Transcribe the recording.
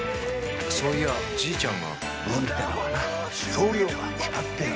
そういやじいちゃんが運ってのはな量が決まってるんだよ。